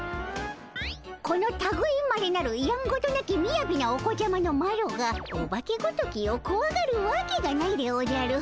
このたぐいまれなるやんごとなきみやびなお子ちゃまのマロがオバケごときをこわがるわけがないでおじゃる。